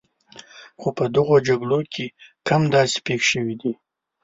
خو په دغو جګړو کې کم داسې پېښ شوي دي.